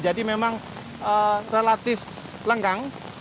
jadi memang relatif lengang